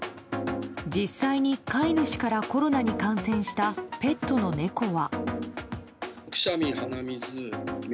実際に飼い主からコロナに感染したペットの猫は。